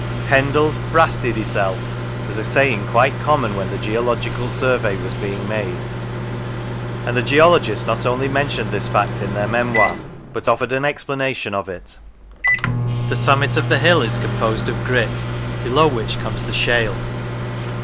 " Pendle's brasted hissel " was a saying quite common when the geological survey was being made, and the geologists not only mentioned this fact in their memoir, but offered an explanation of it. The summit of the hill is composed of grit, below which comes the shale.